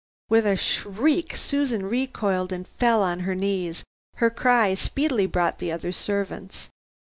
With a shriek Susan recoiled and fell on her knees. Her cry speedily brought the other servants.